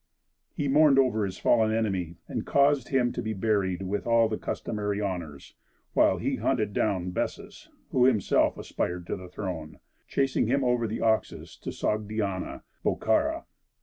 He mourned over his fallen enemy, and caused him to be buried with all the customary honors, while he hunted down Bessus, who himself aspired to the throne, chasing him over the Oxus to Sogdiana (Bokhara).